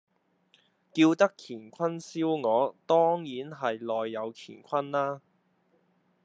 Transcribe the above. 叫得乾坤燒鵝，當然係內有乾坤啦